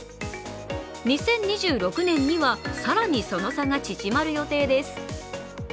２０２６年には更に、その差が縮まる予定です。